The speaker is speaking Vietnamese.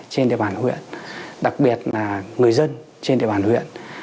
trên địa bàn huyện đặc biệt là người dân trên địa bàn huyện